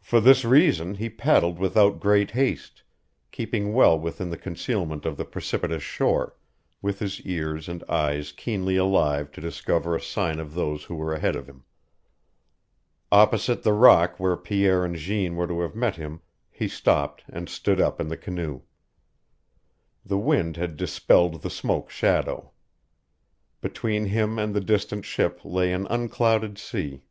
For this reason he paddled without great haste, keeping well within the concealment of the precipitous shore, with his ears and eyes keenly alive to discover a sign of those who were ahead of him. Opposite the rock where Pierre and Jeanne were to have met him he stopped and stood up in the canoe. The wind had dispelled the smoke shadow. Between him and the distant ship lay an unclouded sea.